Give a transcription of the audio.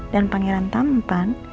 dan pangeran tampan